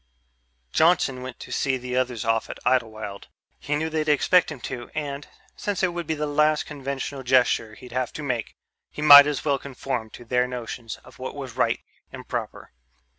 Johnson went to see the others off at Idlewild. He knew they'd expect him to and, since it would be the last conventional gesture he'd have to make, he might as well conform to their notions of what was right and proper.